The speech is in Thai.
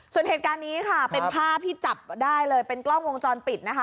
ส่วนเหตุการณ์นี้ค่ะเป็นภาพที่จับได้เลยเป็นกล้องวงจรปิดนะคะ